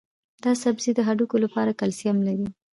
دا سبزی د هډوکو لپاره کلسیم لري.